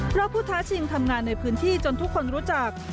เพราะผู้ท้าชิงทำงานในพื้นที่จนทุกคนรู้จัก